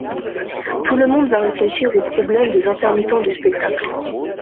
Tout le monde va réfléchir au problème des intermittents du spectacle.